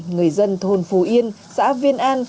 người dân thôn phú yên xã viên an